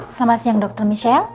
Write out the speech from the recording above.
selamat siang dokter michelle